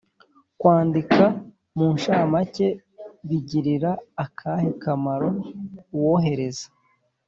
Kwandika mu nshamake bigirira akahe kamaro uwohereza